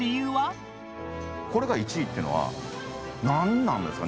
これが１位っていうのは何なんですか？